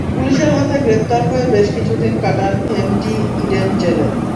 পুলিশের হাতে গ্রেপ্তার হয়ে বেশ কিছু দিন কাটান এমটি ইডেন জেলে।